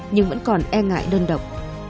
nhưng vẫn còn e ngại đơn độc